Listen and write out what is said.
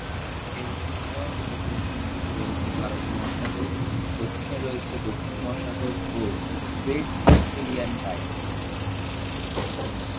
এর উত্তর ও পশ্চিম দিকে রয়েছে ভারত মহাসাগর; দক্ষিণে রয়েছে দক্ষিণ মহাসাগর ও "গ্রেট অস্ট্রেলিয়ান বাইট"।